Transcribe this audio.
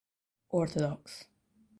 Orthodox.